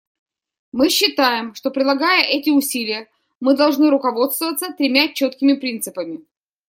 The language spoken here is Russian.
Мы считаем, что, прилагая эти усилия, мы должны руководствоваться тремя четкими принципами.